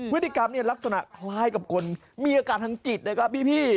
พฤติกรรมเนี่ยลักษณะคล้ายกับคนมีอาการทางจิตนะครับพี่